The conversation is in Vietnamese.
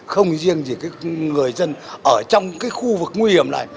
không riêng gì người dân ở trong cái khu vực nguy hiểm này